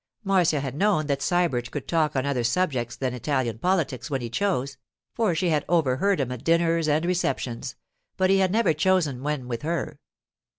Marcia had known that Sybert could talk on other subjects than Italian politics when he chose, for she had overheard him at dinners and receptions, but he had never chosen when with her.